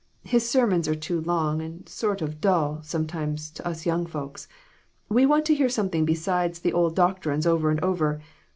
His sermons are too long, and sort o' dull, sometimes, to us young folks. We want to hear something besides the old doctrines over and over.